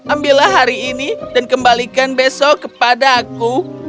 ambillah hari ini dan kembalikan besok kepadaku